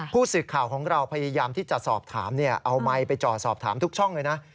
ผู้สื่อข่าวของเราพยายามที่จะสอบถามเอาไมค์ไปจอดสอบถามทุกช่องเลยนะ